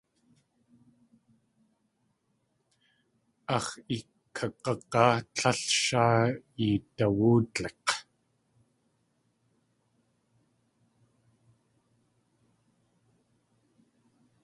Áx̲ ikag̲agá, tlél sháa yidawóodlik̲!